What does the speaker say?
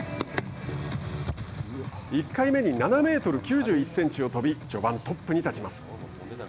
１回目に７メートル９１センチを跳び序盤トップに立ちます。